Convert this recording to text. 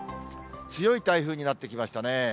強い台風になってきましたね。